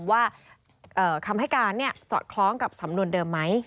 ว่าคำให้การสอดคล้องกับสำนวนเดิมไหม